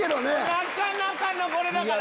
なかなかのこれだから。